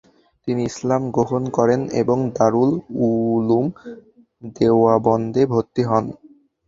তিনি ইসলাম গ্রহণ করেন এবং দারুল উলুম দেওবন্দে ভর্তি হন।